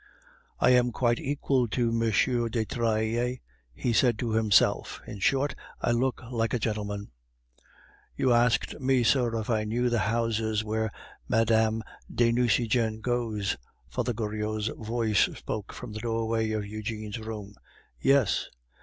"I am quite equal to M. de Trailles," he said to himself. "In short, I look like a gentleman." "You asked me, sir, if I knew the houses where Mme. de Nucingen goes," Father Goriot's voice spoke from the doorway of Eugene's room. "Yes."